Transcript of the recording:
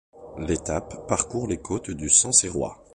L'étape parcourt les côtes du Sancerrois.